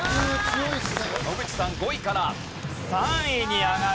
野口さん５位から３位に上がる。